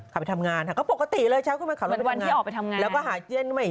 ขับไปทำงานก็ปกติเลยเช้าขึ้นมาขับรถทำงาน